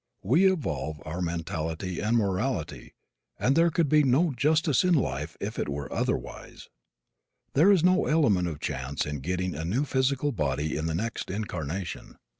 We evolve our mentality and morality, and there could be no justice in life if it were otherwise. There is no element of chance in getting a new physical body in the next incarnation.